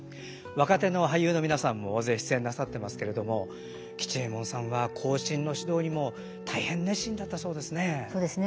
若手の俳優の皆さんも大勢出演なさってますけれども吉右衛門さんは後進の指導にも大変熱心だったそうですね。